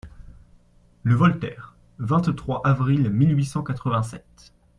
LE VOLTAIRE, vingt-trois avril mille huit cent quatre-vingt-sept.